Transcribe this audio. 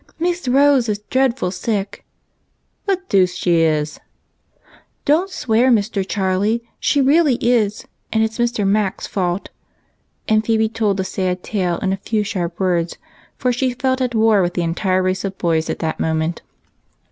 " Miss Rose is dreadful sick." " The deuce she is !"" Don't swear, Mr. Charlie ; she really is, and it 's Mr. Mac's fault," and Phebe told the sad tale in a few sharp words, for she felt at war with the entire race of boys at that moment.